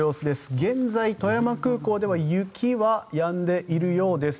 現在、富山空港では雪はやんでいるようです。